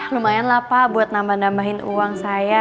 lumayan lah pak buat nambah nambahin uang saya